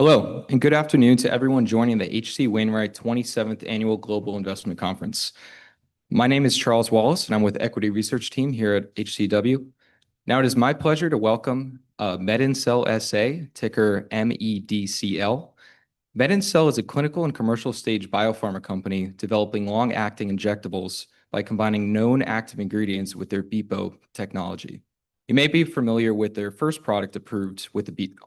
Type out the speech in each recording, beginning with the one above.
Hello, and good afternoon to everyone joining the H.C. Wainwright 27th Annual Global Investment Conference. My name is Charles Wallace, and I'm with the equity research team here at HCW. Now, it is my pleasure to welcome MedinCell SA, ticker MEDCL. MedinCell is a clinical and commercial stage biopharma company developing long-acting injectables by combining known active ingredients with their BEPO technology. You may be familiar with their first product approved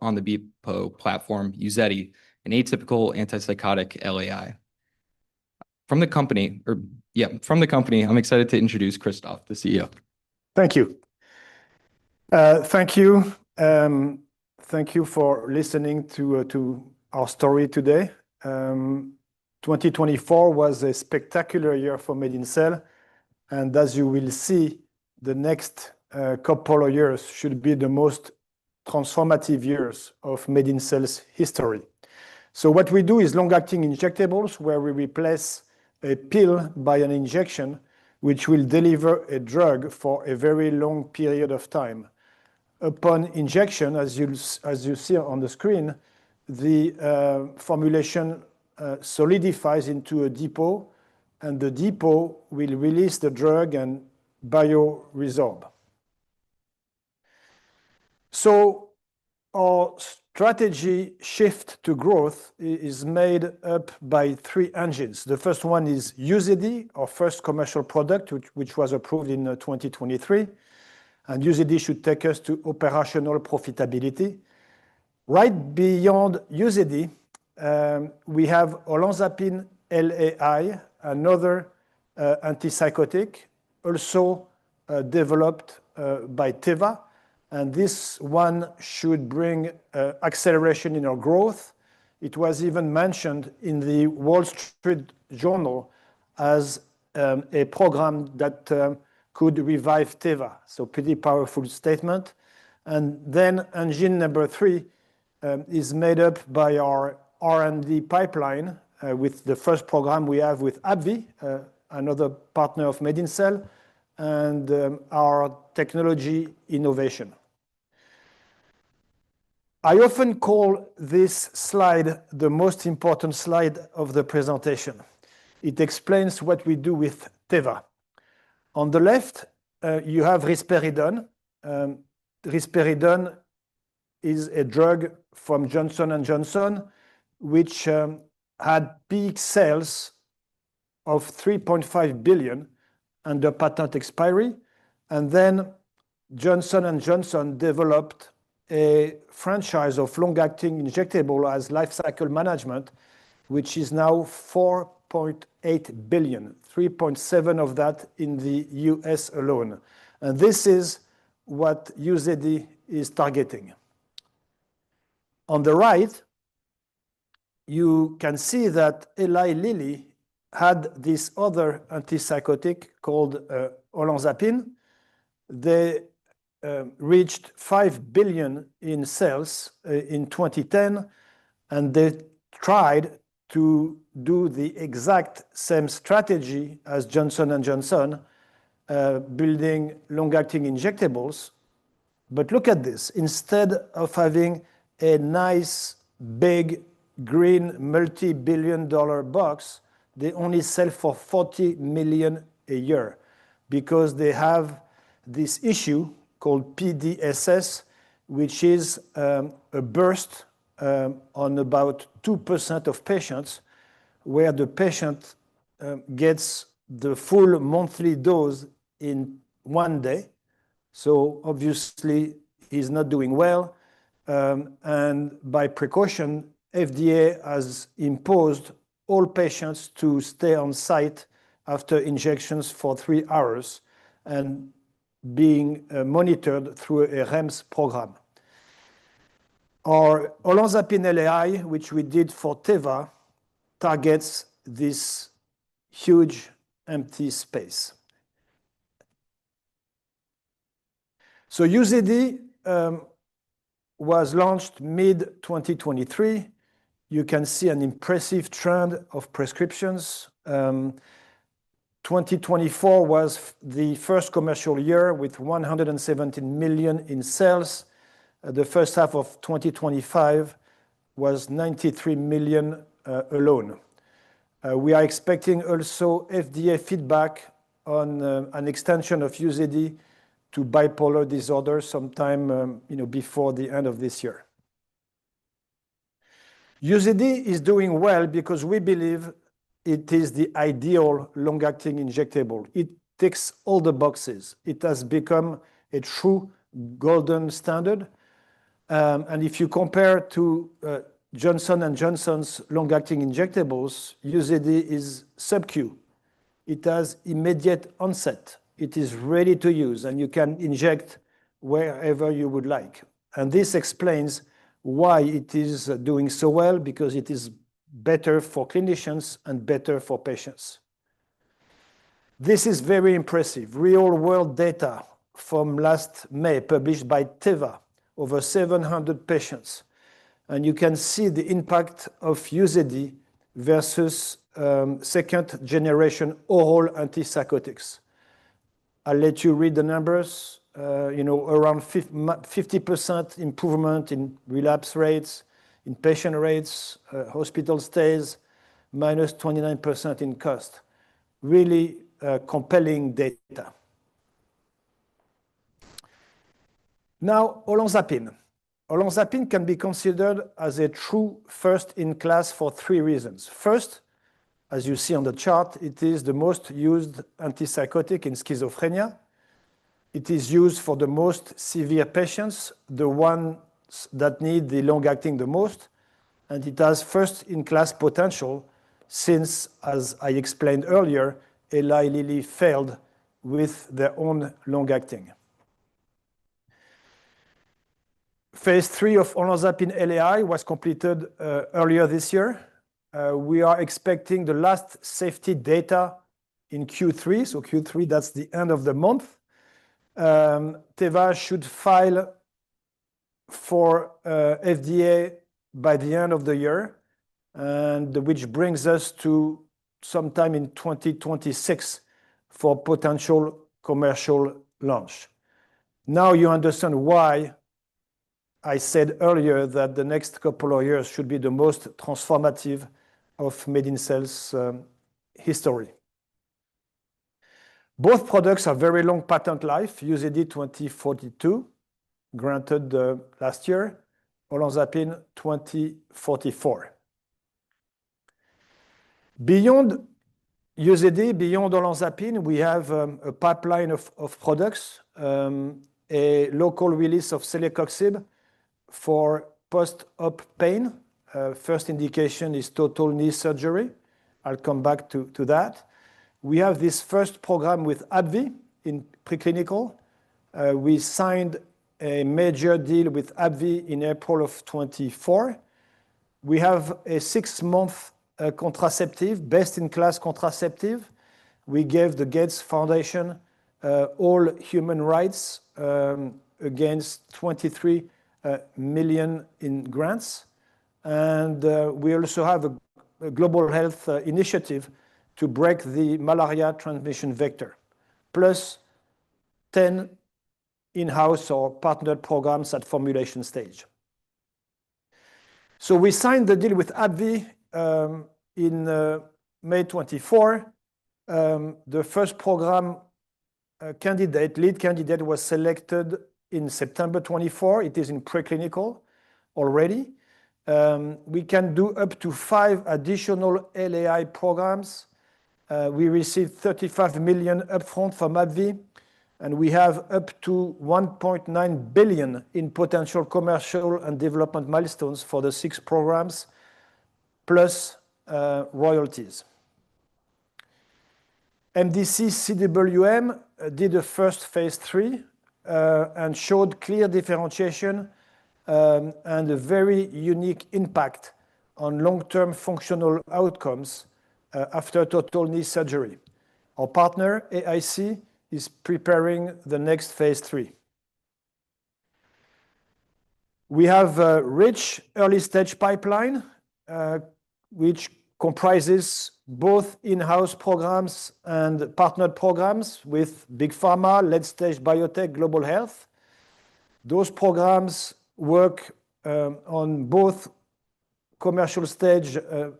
on the BEPO platform, UZEDY, an atypical antipsychotic LAI. From the company, I'm excited to introduce Christophe, the CEO. Thank you. Thank you. Thank you for listening to our story today. 2024 was a spectacular year for MedinCell. And as you will see, the next couple of years should be the most transformative years of MedinCell's history. So what we do is long-acting injectables where we replace a pill by an injection, which will deliver a drug for a very long period of time. Upon injection, as you see on the screen, the formulation solidifies into a depot, and the depot will release the drug and bioresorb. So our strategy shift to growth is made up by three engines. The first one is UZEDY, our first commercial product, which was approved in 2023. And UZEDY should take us to operational profitability. Right beyond UZEDY, we have olanzapine LAI, another antipsychotic also developed by Teva. And this one should bring acceleration in our growth. It was even mentioned in the Wall Street Journal as a program that could revive Teva, so pretty powerful statement, and then engine number three is made up by our R&D pipeline with the first program we have with AbbVie, another partner of MedinCell, and our technology innovation. I often call this slide the most important slide of the presentation. It explains what we do with Teva. On the left, you have risperidone. Risperidone is a drug from Johnson & Johnson, which had peak sales of 3.5 billion under patent expiry, and then Johnson & Johnson developed a franchise of long-acting injectable as life cycle management, which is now 4.8 billion, 3.7 billion of that in the U.S. alone, and this is what UZEDY is targeting. On the right, you can see that Eli Lilly had this other antipsychotic called olanzapine. They reached 5 billion in sales in 2010, and they tried to do the exact same strategy as Johnson & Johnson, building long-acting injectables. But look at this. Instead of having a nice big green multi-billion dollar box, they only sell for 40 million a year because they have this issue called PDSS, which is a burst on about 2% of patients where the patient gets the full monthly dose in one day. So obviously, he's not doing well. And by precaution, FDA has imposed all patients to stay on site after injections for three hours and being monitored through a REMS program. Our olanzapine LAI, which we did for Teva, targets this huge empty space. So UZEDY was launched mid-2023. You can see an impressive trend of prescriptions. 2024 was the first commercial year with 117 million in sales. The first half of 2025 was 93 million alone. We are expecting also FDA feedback on an extension of UZEDY to bipolar disorder sometime before the end of this year. UZEDY is doing well because we believe it is the ideal long-acting injectable. It ticks all the boxes. It has become a true gold standard, and if you compare to Johnson & Johnson's long-acting injectables, UZEDY is subcutaneous. It has immediate onset. It is ready to use, and you can inject wherever you would like, and this explains why it is doing so well, because it is better for clinicians and better for patients. This is very impressive. Real-world data from last May published by Teva, over 700 patients, and you can see the impact of UZEDY versus second-generation oral antipsychotics. I'll let you read the numbers. Around 50% improvement in relapse rates, inpatient rates, hospital stays, minus 29% in cost. Really compelling data. Now, olanzapine. Olanzapine can be considered as a true first-in-class for three reasons. First, as you see on the chart, it is the most used antipsychotic in schizophrenia. It is used for the most severe patients, the ones that need the long-acting the most, and it has first-in-class potential since, as I explained earlier, Eli Lilly failed with their own long-acting. Phase three of olanzapine LAI was completed earlier this year. We are expecting the last safety data in Q3, so Q3, that's the end of the month. Teva should file for FDA by the end of the year, which brings us to sometime in 2026 for potential commercial launch. Now you understand why I said earlier that the next couple of years should be the most transformative of MedinCell's history. Both products have very long patent life. UZEDY 2042, granted last year. Olanzapine 2044. Beyond UZEDY, beyond olanzapine, we have a pipeline of products, a local release of celecoxib for post-op pain. First indication is total knee surgery. I'll come back to that. We have this first program with AbbVie in preclinical. We signed a major deal with AbbVie in April of 2024. We have a six-month contraceptive, best-in-class contraceptive. We gave the Gates Foundation all human rights against 23 million in grants. We also have a global health initiative to break the malaria transmission vector, plus 10 in-house or partnered programs at formulation stage. We signed the deal with AbbVie in May 2024. The first program candidate, lead candidate, was selected in September 2024. It is in preclinical already. We can do up to five additional LAI programs. We received 35 million upfront from AbbVie, and we have up to 1.9 billion in potential commercial and development milestones for the six programs, plus royalties. mdc-CWM did the first phase three and showed clear differentiation and a very unique impact on long-term functional outcomes after total knee surgery. Our partner, AIC, is preparing the next phase three. We have a rich early-stage pipeline, which comprises both in-house programs and partnered programs with big pharma, late-stage biotech, global health. Those programs work on both commercial stage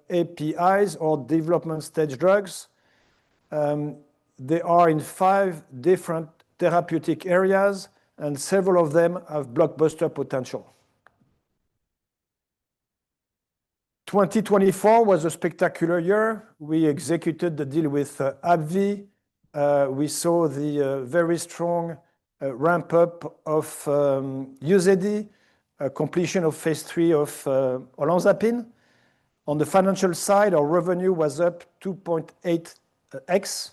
APIs or development stage drugs. They are in five different therapeutic areas, and several of them have blockbuster potential. 2024 was a spectacular year. We executed the deal with AbbVie. We saw the very strong ramp-up of UZEDY, completion of phase three of olanzapine. On the financial side, our revenue was up 2.8x,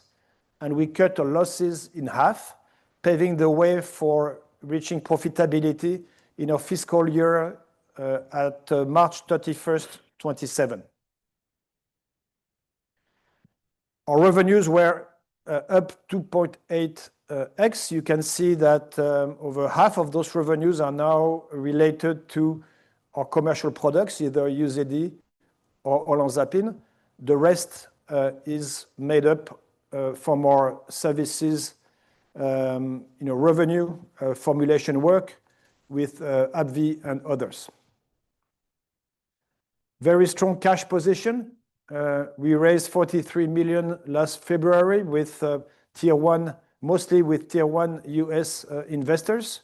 and we cut our losses in half, paving the way for reaching profitability in our fiscal year at March 31st, 2027. Our revenues were up 2.8x. You can see that over half of those revenues are now related to our commercial products, either UZEDY or olanzapine. The rest is made up for more services, revenue formulation work with AbbVie and others. Very strong cash position. We raised 43 million last February with tier one, mostly with tier one U.S. investors.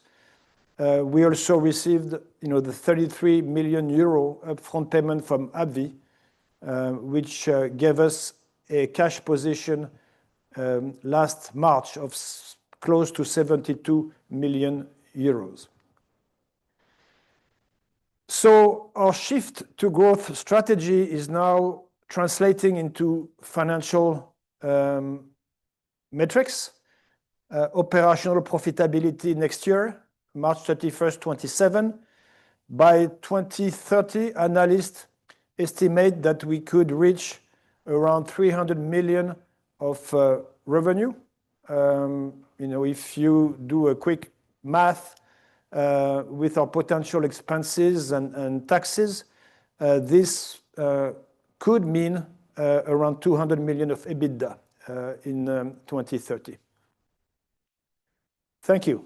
We also received the 33 million euro upfront payment from AbbVie, which gave us a cash position last March of close to 72 million euros. So our shift to growth strategy is now translating into financial metrics. Operational profitability next year, March 31st, 2027. By 2030, analysts estimate that we could reach around 300 million of revenue. If you do a quick math with our potential expenses and taxes, this could mean around 200 million of EBITDA in 2030. Thank you.